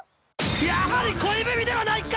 やはり恋文ではないか！